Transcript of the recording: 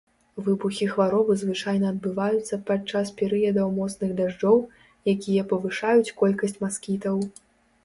Выбухі хваробы звычайна адбываюцца падчас перыядаў моцных дажджоў, якія павышаюць колькасць маскітаў.